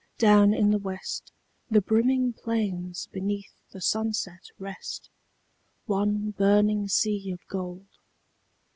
Down in the west The brimming plains beneath the sunset rest, One burning sea of gold.